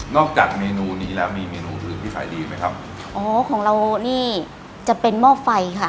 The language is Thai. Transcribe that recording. จากเมนูนี้แล้วมีเมนูอื่นที่ขายดีไหมครับอ๋อของเรานี่จะเป็นหม้อไฟค่ะ